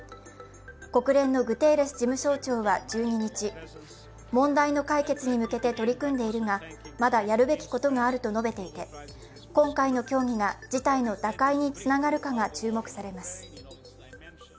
国連のグテーレス事務総長は１２日、問題の解決に向けて取り組んでいるが、まだやるべきことがあると述べていて今回の協議が事態の打開につながるかが注目されます。